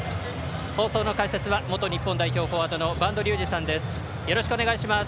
放送の解説は元日本代表フォワードの播戸竜二さんです。